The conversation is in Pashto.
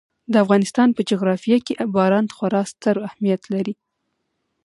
د افغانستان په جغرافیه کې باران خورا ستر اهمیت لري.